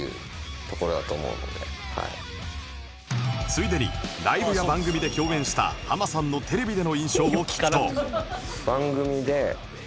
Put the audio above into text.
ついでにライブや番組で共演したハマさんのテレビでの印象を聞くと